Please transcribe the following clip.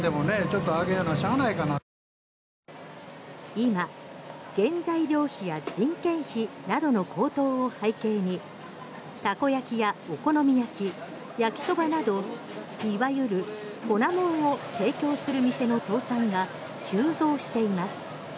今、原材料費や人件費などの高騰を背景にたこ焼きや、お好み焼き焼きそばなど、いわゆる粉もんを提供する店の倒産が急増しています。